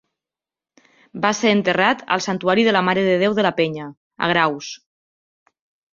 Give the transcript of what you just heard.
Va ser enterrat al santuari de la Mare de Déu de la Penya, a Graus.